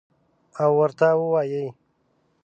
او ورته ووایي: